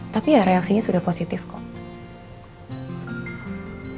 tapi ya reaksinya sudah positif kok